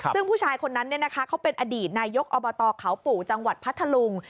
ซึ่งผู้ชายคนนั้นเขาเป็นอดีตนายกอบตเขาปู่จังหวัดพัทธลุง